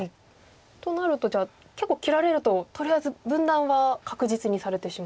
となるとじゃあ結構切られるととりあえず分断は確実にされてしまうと。